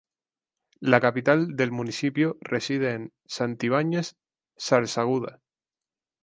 La capital del municipio reside en Santibáñez-Zarzaguda.